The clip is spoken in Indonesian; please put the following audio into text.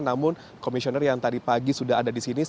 namun komisioner yang tadi pagi sudah ada di sini